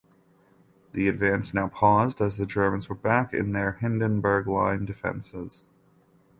The advance now paused as the Germans were back in their Hindenburg Line defences.